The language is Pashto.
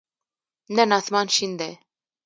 نن آسمان شین دی.